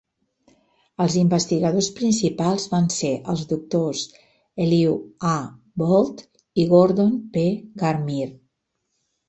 Els investigadors principals van ser els doctors Elihu A. Boldt i Gordon P. Garmire.